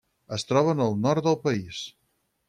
Es troba en el nord del país.